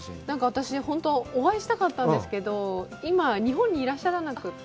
私、本当はお会いしたかったんですけど、今、日本にいらっしゃらなくて。